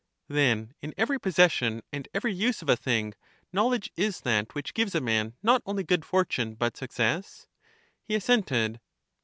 Then in every possession and every use of a thing, knowledge is that which gives a man not only good fortune but success? He assented.